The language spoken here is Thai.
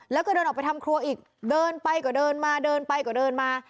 แล้วก็เดินออกไปทำครัวอีกเดินไปก็เดินมาเดินไปก็เดินมา